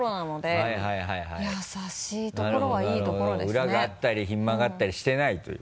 裏があったりひん曲がったりしてないという。